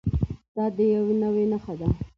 دا د یوې نوعې نښه ده.